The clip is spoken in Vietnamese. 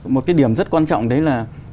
một cái điểm rất quan trọng đấy là